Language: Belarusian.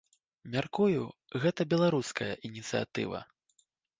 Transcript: Мяркую, гэта беларуская ініцыятыва.